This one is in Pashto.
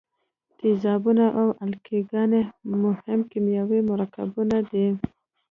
تیزابونه او القلي ګانې مهم کیمیاوي مرکبونه دي.